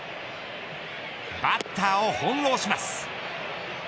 バッターをほんろうします。